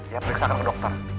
ya periksakan ke dokter